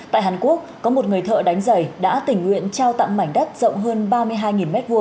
tại hàn quốc có một người thợ đánh giày đã tình nguyện trao tặng mảnh đất rộng hơn ba mươi hai m hai